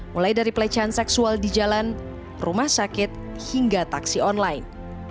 mulai dari pelecehan seksual di jalan rumah sakit hingga taksi online